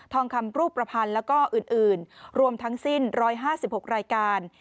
องคำรูปประพันธ์แล้วก็อื่นรวมทั้งสิ้น๑๕๖รายการ